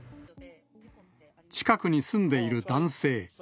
近くに住んでいる男性。